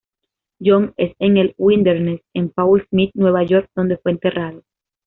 John es en el Wilderness en Paul Smith, Nueva York, donde fue enterrado.